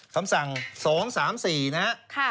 คำสั่ง๒๓๔นะครับ